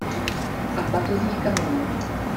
A v batozích kamení.